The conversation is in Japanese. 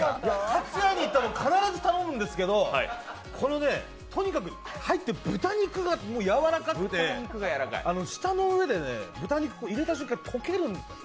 かつやに行ったら、必ず頼むんですけど、とにかく入ってる豚肉がやわらかくて舌の上で豚肉を入れた瞬間溶けるんですよ。